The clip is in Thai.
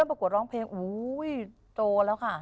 เริ่มประกวดร้องเพลงโอ้โหโตแล้วค่ะ